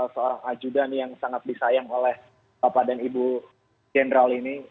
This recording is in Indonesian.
soal ajudan yang sangat disayang oleh bapak dan ibu jenderal ini